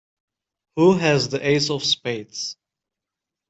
Who has the ace of spades?